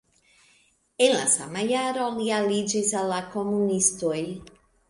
En la sama jaro li aliĝis al la komunistoj.